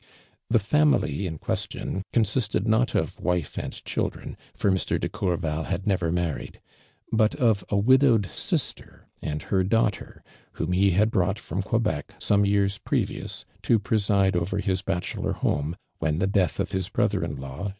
The family in question consisted not of wife and children, for Mr. de Courval bad never married, but of a widowed sister and lier daughter, whom lie iiad biought fiom (Quebec, some years previous, to presiile over his bachelor home, when the death of his brother in law